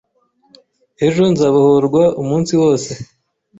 Ejo nzabohorwa umunsi wose.